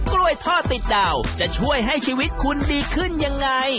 กล้วยทอดติดดาวจะช่วยให้ชีวิตคุณดีขึ้นยังไง